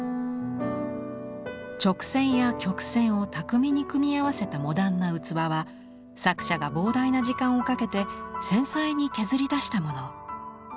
直線や曲線を巧みに組み合わせたモダンな器は作者が膨大な時間をかけて繊細に削り出したもの。